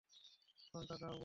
ফোনটা দাও বলছি!